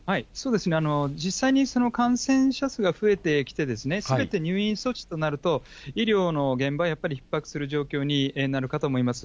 実際にその感染者数が増えてきて、すべて入院措置となると、医療の現場はやっぱりひっ迫する状況になるかと思います。